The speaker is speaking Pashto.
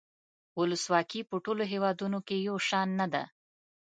ولسواکي په ټولو هیوادونو کې یو شان نده.